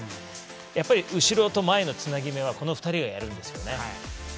やっぱり後ろと前のつなぎ目はこの２人がやるんですよね。